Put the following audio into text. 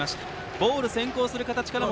ボール先行する形からも。